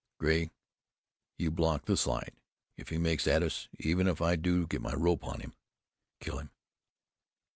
Grey, you block the slide. If he makes at us, even if I do get my rope on him, kill him!